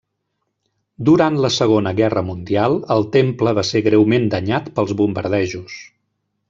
Durant la Segona Guerra Mundial, el temple va ser greument danyat pels bombardejos.